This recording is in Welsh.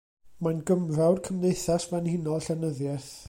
Mae'n gymrawd Cymdeithas Frenhinol Llenyddiaeth